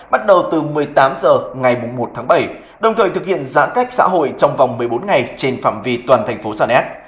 bắt đầu từ một mươi tám h ngày một tháng bảy đồng thời thực hiện giãn cách xã hội trong vòng một mươi bốn ngày trên phạm vi toàn thành phố sanet